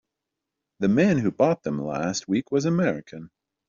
The man who bought them last week was American.